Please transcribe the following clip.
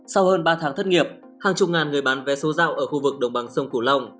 sau hơn ba tháng thất nghiệp hàng chục ngàn người bán vé số giao ở khu vực đồng bằng sông cửu long